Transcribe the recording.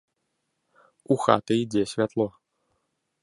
У хаты ідзе святло.